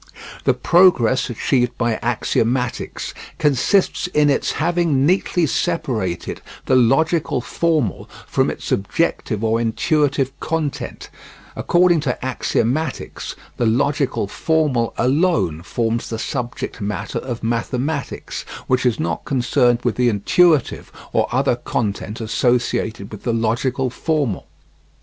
The progress achieved by axiomatics consists in its having neatly separated the logical formal from its objective or intuitive content; according to axiomatics the logical formal alone forms the subject matter of mathematics, which is not concerned with the intuitive or other content associated with the logical formal.